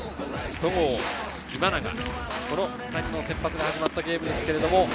戸郷、今永、この２人の先発で始まったゲームです。